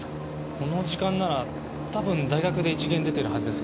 この時間なら多分大学で１限出てるはずです。